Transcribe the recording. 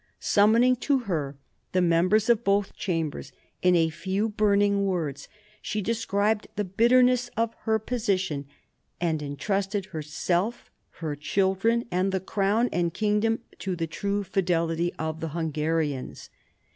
Summoning to her the members of both Chambers, in a few burning words she described the bitterness of her position, and entrusted herself, her children, and the crown and kingdom to the tried fidelity of the Hungarians.